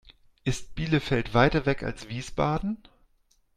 Ist Bielefeld weiter weg als Wiesbaden?